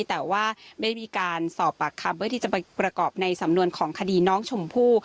แต่ว่าไม่มีการสอบปากคำเพื่อที่จะไปประกอบในสำนวนของคดีน้องชมพู่